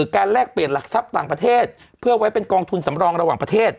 แลกเปลี่ยนหลักทรัพย์ต่างประเทศเพื่อไว้เป็นกองทุนสำรองระหว่างประเทศ